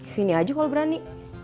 sini aja kalau berani